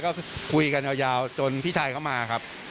ก็คุยกันยาวจนพี่ชายเข้ามาครับ